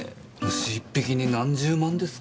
虫１匹に何十万ですか。